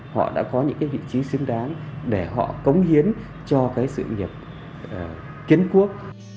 hồ chí minh có những vị trí xứng đáng để họ cống hiến cho sự nghiệp kiến quốc